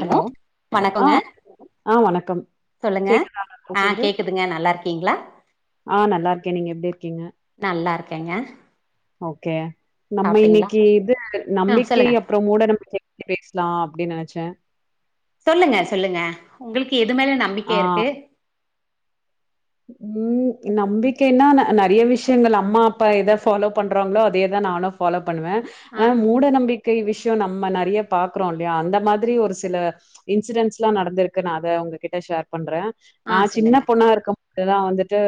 Hello வணக்கங்க ஆஹ் ஆஹ் வணக்கம் சொல்லுங்க கேக்குதா நா ஆ பேசுறது கேக்குதுங்க நல்லா இருக்கீங்களா ஆஹ் நல்லா இருக்கேன் நீங்க எப்படி இருக்கீங்க கேங்க ஓகே நம்ம இன்னைக்கு இது ஆ நம்பிக்கை சொல்லுங்க அப்புறம் மூட நம்பிக்கை பேசலாம் அப்படின்னு நெனச்சேன் சொல்லுங்க சொல்லுங்க உங்களுக்கு எது மேல நம்பிக்கை இருக்கு உம் நம்பிக்கைன்னா நெறைய விஷயங்கள் அம்மா அப்பா ஏதா ஃபாலோ பண்றாங்களோ அதே தா நானும் ஃபாலோ பண்ணுவேன் ஆனா ஆ மூட நம்பிக் விஷயம் நம்ம நெறைய பாக்குறோம் இல்லையா அந்த மாதிரி ஒரு சில இன்சிடென்ட்ஸ் எலாம் நடந்திருக்கு நான் அதை உங்ககிட்ட ஷேர் பண்றேன் ஆ நான் சின்ன சொல்லுங்க பொண்ணா இருக்க வந்துட்டு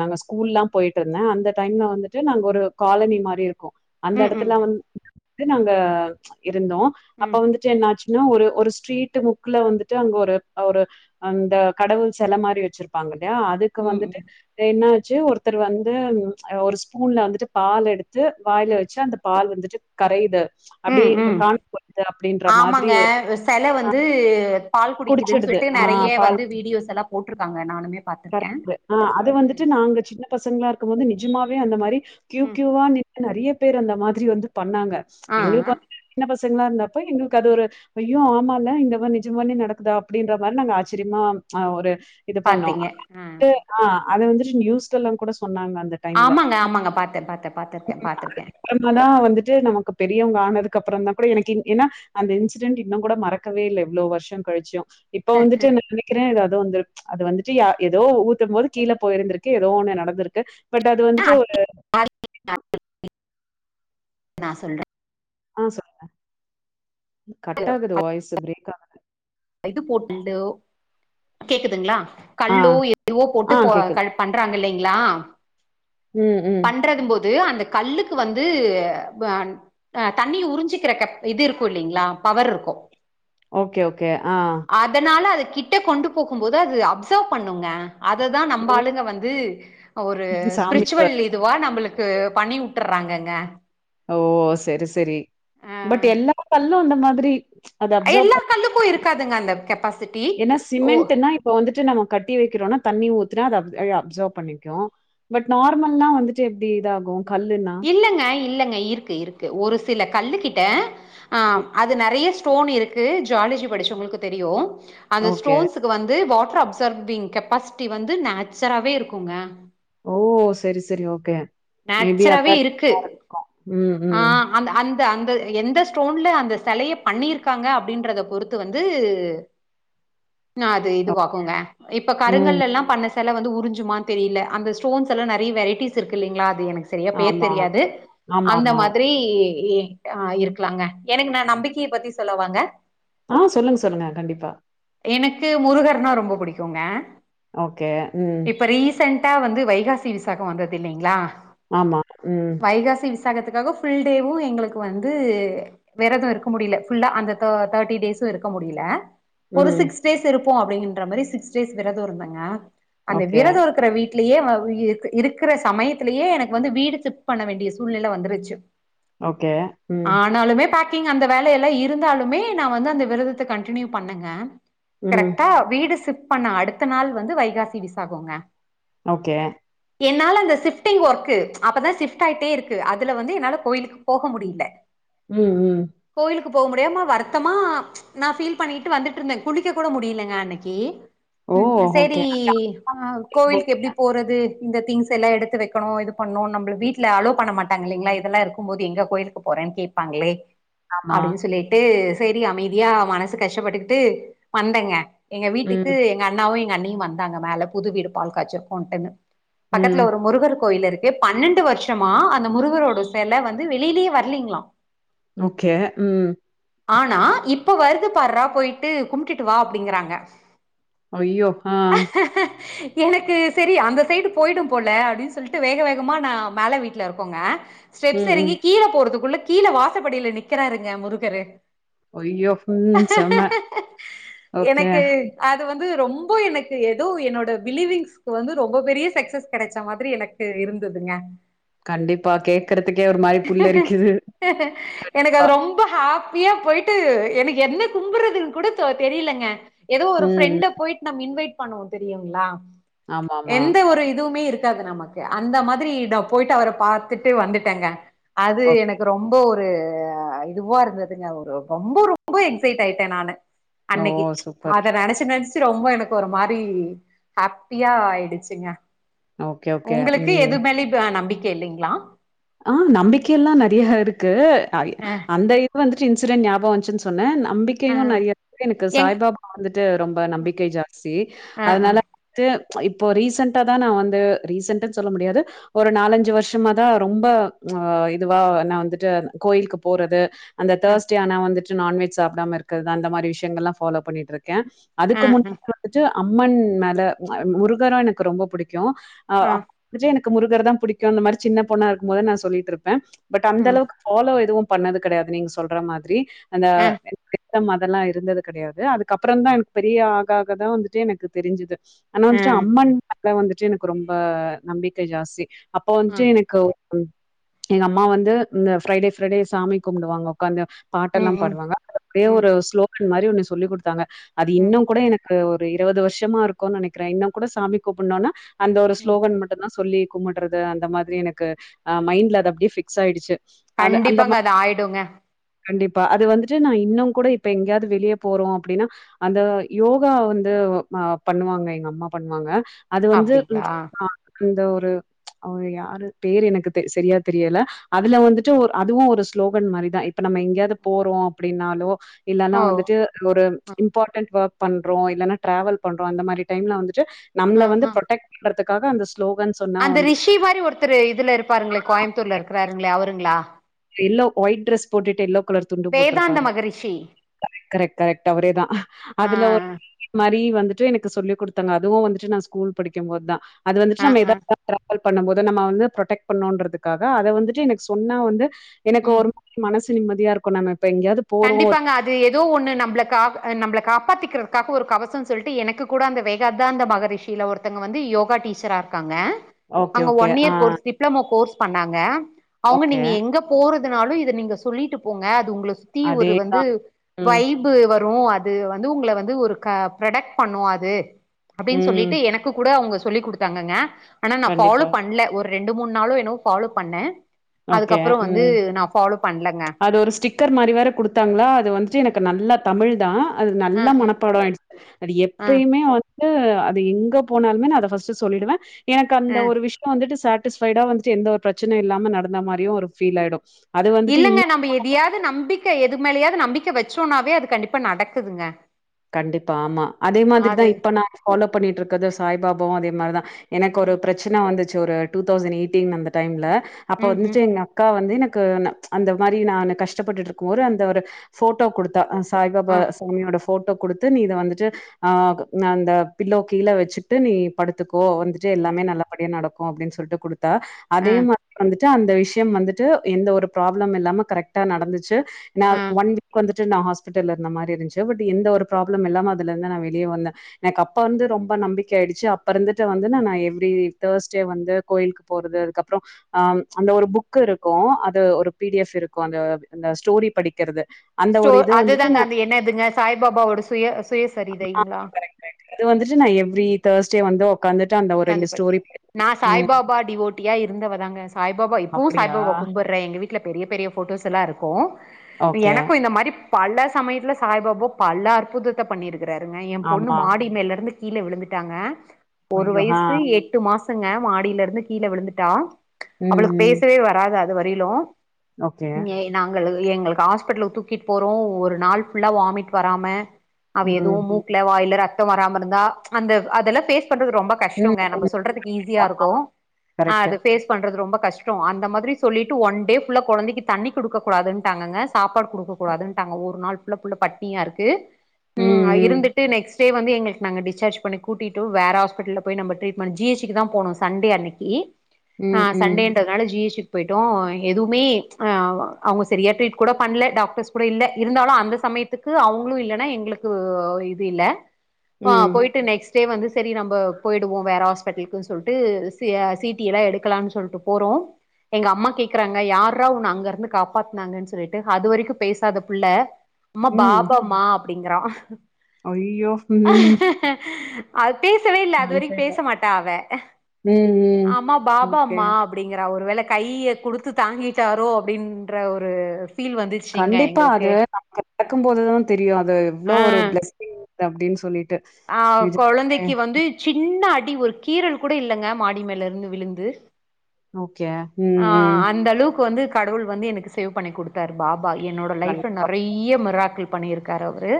நாங்க ஸ்கூல்லாம் போயிட்டு இருந்தேன் அந்த டைம்ல வந்துட்டு நாங்க ஒரு காலனி மாரி இருக்கும் அந்த ம் ம் எடத்துலாம் வந் நாங்க இருந்தோம் அப்ப ம் வந்துட்டு என்னாச்சு ஒரு ஒரு ஸ்ட்ரீட் முக்குல வந்துட்டு அங்க ஒரு ஒரு அந்த கடவுள் செல மாரி வச்சிரு பங்க அதுக்கு ம் வந்துட்டு என்ன ஒருத்தர் வந்து ஒரு ஸ்பூன்ல வந்துட்டு பால் எடுத்து வாயில வச்சு அந்த பால் வந்து கரையுது உம் அப்டியே உம் காண போது அப்டின்ற மாதிரி ஆமாங்க ஒரு செல வந்து பால் குடிக்குதுன்னு குடிச்சிடுது சொல்லிட்டு ஆ நெறைய வந்து வீடியோஸ் எல்லாம் போட் ருக்காங்க நானுமே பாத்திருக்கே கரெக்டு ஆஹ அது வந்துட்டு ம் நாங்க சின்ன பசங்களா இருக்கும்போது ஜமாவே அந்த மாரி கியூ ம் கியூவா நின்னு நெறிய பேர் அந்த மாரி வந்து பண்ணாங்க ஆ எங்களுக்கு வந்து என்ன பஸ் பசங்கிளா இருந்தாப்ப எங்களுக்கு அது ஒரு ஐயோ ஆமால இந்த மாரி நிஜமால நடக்குதா அப்டின்ற மாரி நாங்க ஆச்சரியமா ஆஹ ஒரு இத பண்ணும் பாத்தீங்க ஆ [unintelligible] அத வந்துட்டு நியூஸ் எல்லாம் கூட சொ சொன்னாங்க அந்த டைம்ல ஆமாங்க ஆமாங்க பாத்தே பாத்தே பாத்திருக்கே பாத்திருக்கே அப்பறமா தான் வந்துட் நமக்கு பெரியவங்க ஆனதுக்கப்புறோ தா கூட எனக்கு ஏனா அந்த இன்சிடென்ட் இன்னு கூட மறக்கவே இல்ல இவ்ளோ வருஷோ கழிச்சியு இப்ப வந்துட்டு நெனக்கிறே [unintelligible] வந்து ச் அது வந்துட்டு யா எதோ ஊத்தும் போது கீல போயிருந்திருக்கு எதோ ஒண்ணு நடந்திருக்கு பட் அது வந்துட்டு ஒரு நா சொல்றே ஆ சொல்லுங்க கட் ஆகுது வாய்ஸ் ப்ரேக் இது போட்டுண்டு கேக்குதுங்களா ஆ, கல்லோ எதுவோ போட்டு ஆ போ கேக்குது. பண்றாங்க இல்லங்க லா ம், ம். பண்றதம்போது அந்த கல்லுக்கு வந்து ஆ தண்ணி உறிஞ்சிக்கிற கெப் இது இருக்கு இல்லீங்களா பவர் இருக்கு ஓகே ஓகே ஆ அதனால அது கிட்ட கொண்டு போகும் போது அது அப்சர்வ் பண்ணுங்க அத தா ஓ! நம்ப ஆளுங்க வந்து ஒரு சாமி ம். ஸ்ப்ரிச்சுவல் நம்பளுக்கு பண்ணி உட்டுற வாங்கங்க ஓ செரி செரி பட் எல்லா கல்லு அந்த மாதி த்ரி எல்லா கல்லுக்கு இருக்காதுங்க அந்த கெப்பாஸ் ஏன்னா சிமெண்ட்ன்னா இப்ப வந்துட்டு நம்ம கட்டி வெக்கிறோனா தண்ணி ஊத்துனா அத அப் அப்சர்வ் பண்ணிக்கோம் பட் நார்மல்லா வந்துட்டு [inaudible] இது ஆகும் இல்லங்க இல்லங்க இருக்கு இருக்கு ஒரு சில கல்லுக்கிட்ட ஆ ம். அது நெறைய ஸ்டோன் இருக் ஜாலஜி படிச்சவங்களுக்கு தெரியும் அந்த ஓகே. ஸ்டோன்ஸ்க்கு வந்து வாட் அப்சர்விங் கெப்பாசிட்டி வந்து நேச்சுராவே இருக்குங்க ஓ சேரி சேரி ஓகே மேபி நேச்சுரவே அதான் இருக்கு இருக்கும். ம், ம். ஆஹ அந்த அந்த அந்த எந்த ஸ்டோன்ல அந்த சிலையை பண்ணிருக்காங்க அப்டின்றத பொறுத்து வந்து அது இது அப் வகுங்க இப்ப ம். கருங்கள் எல்லாம் பண்ண செல வந்து உறிஞ்சுமா தெரியல அந்த ஸ்டோன் எல்லாம் நெறைய வெரைட்டிஸ் இருக்கு இல்லங்களா எனக்கு செரியா பேர் ஆமா. தெரியாது அந்த ஆமாமா. மாதிரி ஏ ஆ இருக்கலாங்க எனக்கு நான நம்பிக்கைய பத்தி சொல்லவாங்க ஆஹ் சொல்லுங்க சொல்லுங்க கண்டிப்பா எனக்கு முருகர்னா ரொம்ப பிடிக்குங்க ஓகே ம் க வைகாசி விசாகம் வந்தது இல்லங்களா ஆமா ம் விசாகத்து வந்து ஃபுல் டேயும் எங்களுக்கு வந்து விரதும் இருக்க முடிய அந்த தேட்டி டேஸ் இருக்க முடியல ஒரு ம். சிக்ஸ் டேஸ் இருக்கும் அப்டிங்கற மாரி சிக்ஸ் டேஸ் விரதும் இருந்தாங்க அந்த ஓகே. விரதம் இருக்கிற வீட்டில் யே இருக்கிற சமயத்திலேயே எனக்கு வந்து வீடு சிப் பண்ண வேண்டிய சூழ்நிலை வந்துருச்சு ஓகே உம் ஆனாலுமே பேக்கிங் அந்த வேல எல்லாம் இருந்தாலுமே நான வந்து அந்த விரதத்தை கண்டினியூ பண்ணுங்க ம். கரெக்டா வீடு சிவ்ட் பண்ண அடுத்த நாள் வந்து வைகாசி விசாகங்க ஓகே என்னால அந்த சிப்டிங் ஒர்க் அப்பதான் சிப்ட் ஆயிட்டே இருக்கு அதுல வந்து என்னால கோயிலுக்கு போக முடியல உம் உம் கோயிலுக்கு போக முடியமா வருத்தமா நான்பீல் பண்ணிட்டு வந்துட்டு இருந்தேன் குளிக்க கூட முடியலங்க அன்னைக்கு ஓ! ம் சேரி ஓகே. அங்க அஹ் ஆஃபீஸ்க்கு கோவிலுக்கு போவீங்க. எப்படி போறது இந்த தி்ஸ் எல்லாம் எடுத்து வைக்கணும் பண்ணோம் நம்மள வீட்டுல அலளோ பண்ண மாட்டா இலைங்களா இதெல்லாம் இருக்கும்போது எங்க கோயிலுக்கு போறேன்னு கேட்பாங்களே ஆமா. அப்படின்னு சொல்லிட்டு சேரி அமைதியா மனசு கஷ்டப்பட்டுக்கிட்டு வந்தங்க எங்க வீட்டுக்கு ம். எங்க அண்ணாவும் அண்ணியும் வந்தாங்க மேல புது வீடு பால் காச்சிருக்கும்ன்ன்னு பக்கத்துல ம். ஒரு முருகர் கோயில் இருக்கு ஏ பன்னெண்டு வருஷமா அந்த முருகரோட சில வந்து வெளியிலேயே வரலீங்களாம் ஓகே உம் ஆனா இப்ப வருது பாடுறா போயிட்டு கும்பிட்டு வா அப்படிங்கறாங்க யயோ ஆஹ் எனக்கு சரி அந்த சைடு போயிடும் போல அப்படின்னு சொல்லிட்டு வேக வேகமாக நான் மேல வீட்டுல இருக்கோங்க ஸ்டெப்ஸ் ம் ம் இறங்கி கீழே போறதுக்குள்ள கீழே வாசப்படியில நிக்கிறாருங்க முருகரு அய்யோ உம் செம்மை ஓகே எனக்கு அது ரொம்ப எனக்கு ஏதோ என்னோட பிலிவிங்்கு வந்து ரொம்ப பெரிய சக்சஸ் கிடைச்ச மாதிரி எனக்கு இருந்து இருதுங்க கண்டிப்பா கேக்குறதுக்கே ஒரு மாதிரி புல்லரிக்குது கண்டிப்பா அ ஏன் போயிட்டு எனக்கு என்ன கும்புறதுன்னு கூட தெரியலங்க ஏதோ ம் ம் ஒருஃப்ரெண்டை போயிட்டு நம இன்வைட் பண்ணம் தெரியுங்களா ஆமா ஆமா எந்த ஒரு இதுவுமே இருக்கு அது நமக்கு அந்த மாதிரி நான் போயிட்டு அவரை பாாரத்துட்டு வந்துட்டேங்க அது ஓகே எனக்கு ரொம்ப ஒரு ஒரு இதுவா இருந்ததுங்க ஒரு ரொம்ப ரொம்ப எக்சைட் ஆயிட்டேன் நானான் ஓ அன்னைக்கு சூப்பர் அத நினைச்சு நினச்ச ரொம்ப எனக்கு ஒரு மாதிரி ஹாப்பியா ஆயிடுச்சுங்க ஓகே ஓகே உங்களுக்கு எது மேல இப்ப நம்பிக்கை இல்லைங்களா ஆஹ நம்பிக்கை எல்லா நெறைய இருக்கு ஆ அ அந்த இது வந்து இன்சிடென்ட் ஞாபம் வந்திச்சு சொன்ன நா அ நம்பிக்கையும் நெறைய எனக்கு எங் சாய்பாபா வந்துட்டு ரொம்ப நம்பிக்கை ஜாஸ்தி அ அ அதனால வந்துட்டு இப்போ ரீசண்டடா தான் நான் வந்து ரீசன்டன்னு சொல்ல முடியாது ஒரு நாலஞ்சு வருஷமா தான் ரொம்ப அஹ இதுவா நான் வந்துட்டு கோயிலுக்கு போறது அந்த அ அ தேர்ஸ்டே ஆனா வந்துட்டு நான்வெஜ் சாப்பிடாம இருக்கிறது அந்த மாதி விஷயங்கள்ல்லாம் ஃபாலோ பண்ணிட்டு இருக் இருக்கேன் அதுக்கு அ முன்ன வந்துட்டு அம்மன் மேல முருகரா எனக்கு ரொம்ப புடிக்கு அ புடிக்கு அப் முருகர தா புடிக்கு அந்த மாரி சின்ன பொண்ணா இருக்கும் போதே நா சொல்லிட்டு இருப்பேன் பட் அந்த ம் அளவுக்கு ஃபாலோ எதுவும் பண்ணது கடையாது நீங்க சொல்றா மாதிரி அந்த அ சுத்தம் அதெல்லாம் இருந்தது கடையாது அதுக்கப்புறம் தா எனக்கு பெரிய ஆக ஆக தா வந்துட்டு எனக்கு தெரிஞ்சிது ஆனா அ அ வந்துட்டு அம்மன் வந்துட்டு எனக்கு ரொம்ப நம்பிக்கை ஜாஸ்தி அப்போ வந்துட்டு எனக் எங்க அம்மா வந்து இந்த ஃப்ரைடே ஃப்ரைடே சாமி கும்மிடுவாங்க உக்காந்து பாட்டெல்லா ம் ம் பாடுவாங்க அது அப்டியே ம் ஒரு ஸ்லோ அது மாரி ஒன்னு சொல்லி குடுத்தாங்க அது ம் இன்னும் கூட எனக் ஒரு இருவது வருஷமா இருக்குனு நெனைக்கிற இன்னு கூட சாமி கூப்புனோனா அந்த ஒரு ம் ஸ்லோகன் மட்டும் தா சொல்லி கும்பிடுறது அந்த மாதிரி எனக் கு ஹ மைண்ட்ல அது அப்டியே பிக்ஸ் ஆயிடுச்சி கண்டிப்பாங்க அது ஆயிடுங்க கண்டிப்பா அது வந்துட்டு நா இன்னு கூட இப்ப எங்கேயாது வெளியே போறோ அப்டின்னா அந்த யோகா வந்து பண்ணுவாங்க எங்க அம்மா பண்ணுவாங்க அது வந்து அப்டிங்களா இந்த ஒரு அவுங்க யாரு பேர் எனக்கு சரியா தெரியல அதுல வந்துட்டு ஒரு அதுவு ஒரு ஸ்லோகன் மாரி தா இப்ப நம்ம எங்கேயாது போறோ அப்டின்னாலோ இல்லன்னா ஓ வந்துட்டு ஒரு இம்பார்ட்டன்ட் ஒர்க் பண்றோ இல்லன்னா ட்ராவல் பண்றோ அந்த மாரி டைம்ல வந்து துட்டு அ நம்மள வந்து அ ப்ரொடெக்ட் பண்றதுக்கு காக அந்த ஸ்லோகன் சொன்னா அந்த வந்துட்டு ரிஷி மாரி ஒருத்தரு இதுல இருப்பாருங்களே கோயம்பத்தூர்ல இருக்கறார்ங்களே அவருங்களா எல்லோ ஒயிட் ட்ரெஸ் போட்டுட்டு எல்லோ கலர் துண்டு வேதாந்த போட்ருப்பாரு மகரிஷி கரெட் கரெக்ட் அவரே தா ஆ அதுல ஒரு மாரி வந்துட்டு எனக்கு சொல்லிக் குடுத்தாங்க அதுவு வந்துட்டு நா ஸ்கூல் படிக்கும்மோது தா அது வந்துட்டு அ அ நம்ம [unintelligible] பண்ணும் போது நம்ம வந்து ப்ரொடெக்ட் பண்ணுன்றதுக்காக அத வந்துட்டு எனக்கு சொன்னா வந்து எனக்கு ம் ஒரு மாரி மனசு நிம்மதியா இருக்கும் நம்ம இப்ப எங்கேயாவது போறோ கண்டிப்பாங்க அது ஏதோ ஒண்ணு நம்மள கா நம்மள காப்பாத்தி இருக்காக ஒரு கவசம் சொல்லிட்டு எனக்கு கூட அந்த வேகாத்தாந்த மகரிஷியில ஒருத்தங்க வந்து யோகா டீச்சரா இருக்காங்க ஓகே அங்க ஓகே ஒன் ஆ இயர் கோர்ஸ் டிப்ளமோ கோர்ஸ் பண்ணாங்க அவங்க ஓகே நீங்க எங்க போறது நாலும் இதை நீங்க சொல்லிட்டு போங்க அது உங்ளுக் [unintelligible] ஒரு வந்து அதேதா ம் வைபு வ ரூம் அது வந்து உங்கல வந்து ஒரு கா ப்ரொடக்ட் பண்ணும் அது அப்டின்னு ம் சொல்லிட்டு எனக்கு கூட அவங்க சொல்லி் குடுத்தாங்கங்க ஆனா நான் ஃபாலோ கண்டிப்பா பண்ல ஒரு ரெண்டு மூணு நாளும் எனவோ ஃபாலோ பண்ணேன் ஓகே அதுக்கப்புறம் வந்து ம் நான் ஃபாலோ பண்ணலங்க. அது ஒரு ஸ்டிக்கர் மாரி வேற குடுத்தாங்களா அது வந்துட்டு எனக்கு நல்லா தமிழ் தான் அது அ, நல்ல அ, மனப்பாடம் ஆயிடுச்சு அது அ, எப்பயுமே வா அது எங்க போனாலுமே நான் அத பஃஸ்ட் சொல்லிடுவேன் எனக்கு அந்த அ. ஒரு விஷயம் வந்துட்டு ச ஸ்ரைட்டா வந்துட்டு எந்த ஒரு பிரச்சனை இல்லாம நடந்த மாதிரும் ஒரு பீல் ஆயிடும் இல்லங்க நம்ம எதியாவது நம்பிக்கை எது மேலயாவது நம்பிக்கை வச்சோம்னாவே அது கண்டிப்பா நடக்குதுங்க கண்டிப்பா ஆமா அதே அது மாதிரிதான் இப்ப நான் ஃபாலோ பண்ணிட்டு இருக்கதோ சாய்பாபாவும் அதே மாரிதான் எனக்கு ஒரு ம் பிரச்சனை வந்துச்சு ஒரு டூ தௌசண்ட் எயிட்டின் அந்த டைம்ல அப்ப ம் ம் வந்துட்டு எங்க அக்கா வந்து எனக்கு அந்த மாரி நான் கஷ்டப்பட்டுட்டு இருக்கும் போது அந்த ஒரு போட்டோ குடுத்தா ஆ சாய்பாபா சாமியோட போட்டோ குடுத்து நீ இதை வந்துட்டு அஹ அந்த பில்லோ கீழே வச்சுட்டு நீ படுத்துக்கோ போ வந்துட்டு ஆ எல்லாமே நல்லபடியா நடக்கும் அப்படின்னு சொல்லிட்டு குடுத் ஆ அதே மாதிரி வந்துட் அந்த விஷயம் வந்துட்டு எந்த ஒரு ப்ராப்ளம் இல்லாம கரெக்டா நடந்துச்சு என்னா ஆ ஒன் வீக் வந்துட்டு ஹாஸ்பிட்டல் இருந்தமாரி இருந்துச்சுட எந்த ஒரு ப்ராப்ளம் இல்லாம அதுல இருந்து நான் வெளியே வந்தேன் எனக்கு அப்பா வந்து ரொம்ப நம்பிக்கை ஆயிடுச்சு அப்ப இருந்து வந்து நான் நான் எவ்ரி தேர்ஸ்டே வந்து கோயிலுக்கு போறது அதுக்கப்புறம் ஆஹ் அந்த ஒரு புக் இருக்கு அது ஒரு பிடிஎஃப் இருக்கும் அந்த அந்த ஸ்டோரி படிக்கிறது அந்த ஒரு ஸ்டோர் இது வந்துட்டு அதுதாங்க நா அந்த என்ன இதுங்க சாய்பாபாவோட சுய சுயசரிதைங்களா இது வந்துட்டு நான் எவ்ரி தேர்ஸ்டே வந்து உக்காந்துட்டு அந்த ஒரு உட்காந்து ரெண்டு படி ஸ்டோரி நான் ம் சாய்பாபா டிவோட்டியா இருந்தவ தாங்க சாய்பாபா இப்பவும் அப்டியா சாய்பாபா கும்பிடுறேன் எங்க வீட்டு வில் பெரிய பெரிய போட்டோஸ் எல்லாம் இருக்கும் ஓகே எனக்கும் இந்த மாதிரி பல சமயத்துல சாய்பாபா பல அற்புதத்தை பண்ணியிருக்கு ருக்ராருங்க என் பொண்ணு ஆமா மாடி மேல இருந்து கீழ விழுந்துட்டாங்க ஒரு ஐயோ ஆ வயசு எட்டு மாசம் ங்க மாடியில இருந்து கீழ விழுந்துட்டா ம் அவளுக்கு ம் பேசவே வராதா இது வரிலும் ஓகே எங்களுக்கு ஹாஸ்பிடல தூக்கிட்டு போறோம் ஒரு நாள் புல்லா வாமிட் வராம அவ ம் எதுவும் மூக்குல வாய்ல ரத் வராம இருந்தா அந்த அதெல்ல பேஸ் ரொம்ப ம் கஷ்டங்க நம்ம கண்டிப்பா சொல்றதுக்கு ஈஸியா இருக்கும் கரெக்ட்டு அது ஃபேஸ் பண்றது ரொம்ப கஷ்டம் அந்த மாதிரி சொல்லிட்டு ஒன் டே ஃபுல்லா கொழந்தைக்கு தண்ணி குடுக்கக் கூடாதுண்டாங்க சாப்பாடு கொடுக்க கூடாதுட்டாங்க ஒரு நாள் புள்ள பட்டினியா இருக்கு ம் இருந்துட்டு நெக்ஸ்ட் டே வந்து எங்களுக்கு நாங்க டிஸ்சார்ஜ் பண்ணி கூட்டிட்டு வேற ஆஸ்பிட் ஹாஸ்பிட்டல போயி நம்ம ட்ரீட் ஜி ஹச்சிக்கு தான் போனோம் சண்டே அன்னைக்கு ம் ஆஹ் ம் சண்டேன்றதுனால ஜி ஹச்சு போயிட்டோம் எதுவுமே ஆஹ் அவங்க சரியா ட்ரீட் கூட பண்ணல டாக்டர்ஸ் கூட இல்ல இருந்தாலும் அந்த சமயத்துக்கு அவங்களும் இல்லைன்னா எங்களுக்கு இது இல்ல ஆ ம் போயிட்டு நெக்ஸ்ட் டே வந்து செரி உ ம்பா போயிடுவோம் வேற ஹாஸ்பிட்டலுக்குன்னு சொல்லிட்டு சீட்டி எல்லாம் எடுக்கலாம்னு சொல்லிட்டு போறோம் எங்க அம்மா கேக்குறாங்க யாரா உன்ன அங்க இருந்து காப்பாத்துனாங்கன்னு சொல்லிட்டு அது வரைக்கும் பேசாத புள்ள அம்மா பாப்பாமா அப்படிங்கறான் ஐய்யயோ உம் அது பேர் பேசவே இல்ல அது வரைக்கும் பேச மாட்ட அவ ம், ம். அம்மா பாப்பா ஓகே. அம்மா அப்படிங்கற ஒரு வேல கைய கொடுத்து தாங்கிட்டாரோ அப்படின்ற ஒரு ஃபீல் வந்துச்சுங்க கண்டிப்பா எங்களுக்கு அது நமக்கு நடக்கும் போதுதான் தெரியும் அது எவ்ளோ ஒரு பிளசிங் அப்படின்னு சொல்லிட்டு ஆஹ் நிஜமாவே கொழந்தைக்கு வந்து சின்ன அடி அடி ஒரு கீரல் கூட இல்லங்க மாடி மேல இருந்து விழுந்து ஓக் ஆஹ் அந்த அளவுக்கு வந்து கடவுள் வந்து எனக்கு சேவ் பண்ணி கொடுத்தாரு பாப்பா என்னோட லைஃப் நெ கண்டிப்பா. றைய மிராக்கள் பண்ணியிருக்காரு அவரு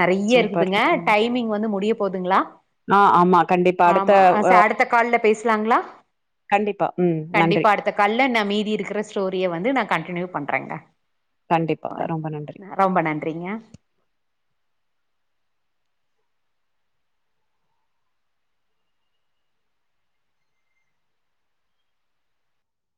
நெறைய சூப்பர். இருக்குதுங்க டைமிங் வந்து முடிய போதுங்களா ஆஹ் ஆமா கண்டிப்பா அடுத்த ஆமா அடுத்த கால்ல பேசலாங்களா கண்டிப்பா ம் நன்றி கண்டிப்பா அடுத்த கால்ல நான் மீதி இருக்கிற ஸ்டோரிய வந்து நான் கண்டினியூ பண்றேன் ரங்கா கண்டிப்பா. ரொம்ப நன்றி. ரொம்ப நன்றிங்க